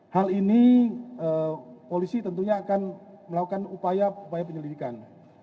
hal ini polisi tentunya akan melakukan upaya upaya penyelidikan